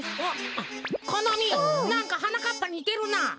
あっこのみなんかはなかっぱにてるなあ。